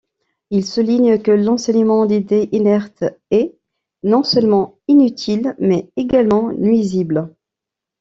Il souligne que l'enseignement d'idées inertes est, non seulement inutile, mais également nuisible.